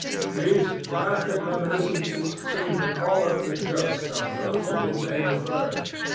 These graphic reminiscences seemed to call up the ghosts of those to whom they referred.